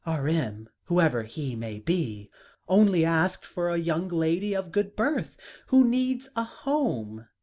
"R.M., whoever he may be, only asks for a young lady of good birth, who needs a home.